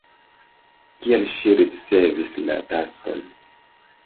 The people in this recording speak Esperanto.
Kial ŝi ricevis la taskon?